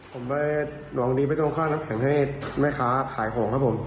ผมไปหวังดีไม่ต้องค่าน้ำแข็งให้แม่ค้าขายของครับผม